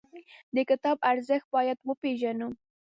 د کتاب ارزښت باید وپېژنو.